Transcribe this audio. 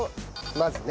まずね。